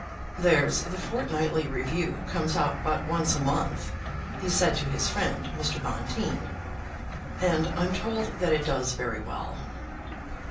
"There's the 'Fortnightly Review' comes out but once a month," he said to his friend Mr. Bonteen, "and I'm told that it does very well."